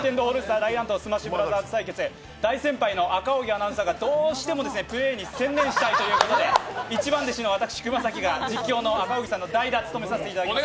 大乱闘スマッシュブラザーズ」対決大先輩の赤荻アナウンサーがどうしてもプレーに専念したいということで、一番弟子の私、熊崎が赤荻さんの代打を務めさせていただきます。